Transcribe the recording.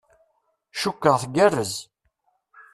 Cukkeɣ tgerrez.